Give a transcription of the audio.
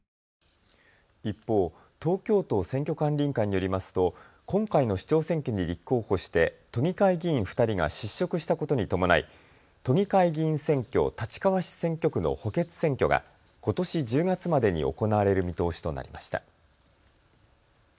一方、東京都選挙管理委員会によりますと今回の市長選挙に立候補して都議会議員２人が失職したことに伴い都議会議員選挙立川市選挙区の補欠選挙がことし１０月までに行われる見通しとなりました。